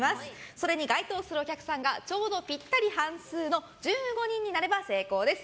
それに該当するお客さんがちょうどぴったり半数の１５人になれば成功です。